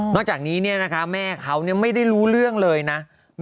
จากนี้แม่เขาไม่ได้รู้เรื่องเลยนะ